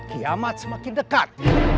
kiamat semakin dekat